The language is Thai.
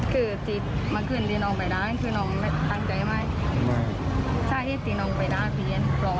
คือไม่ต่อปีเหมือนกันท่วนตัวที่ก็รับความข้อโจทย์